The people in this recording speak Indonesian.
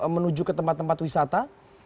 menuju ke tempat tempat wisata